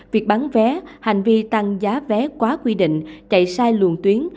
việc bán vé hành vi tăng giá vé quá quy định chạy sai luồng tuyến